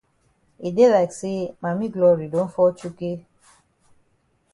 E dey like say Mami Glory don fall chukay.